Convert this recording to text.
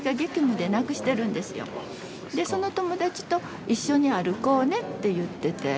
でその友達と一緒に歩こうねって言ってて。